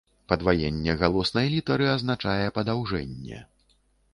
Падваенне галоснай літары азначае падаўжэнне.